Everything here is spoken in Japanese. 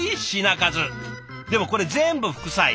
でもこれ全部副菜。